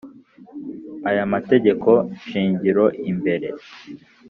aya mategeko shingiro imbere